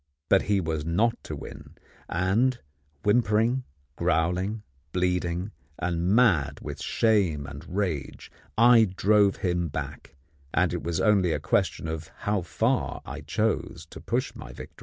But he was not to win; and whimpering, growling, bleeding, and mad with shame and rage, I drove him back, and it was only a question of how far I chose to push my victory.